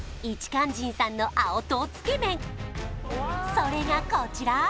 それがこちら！